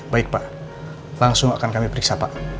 baik pak langsung akan kami periksa pak